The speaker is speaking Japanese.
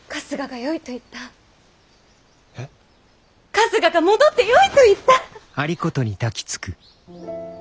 春日が戻ってよいと言った！